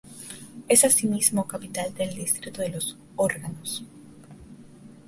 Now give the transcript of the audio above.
Es asimismo capital del distrito de Los Órganos.